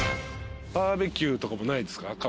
バーベキューとかもないですか？